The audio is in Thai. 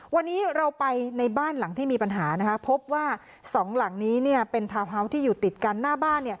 วันนี้เราไปในบ้านหลังที่มีปัญหาพบว่าสองหลังนี้เป็นทาวน์ฮาส์ที่อยู่ติดกันหน้าบ้าน